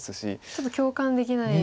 ちょっと共感できないんですか。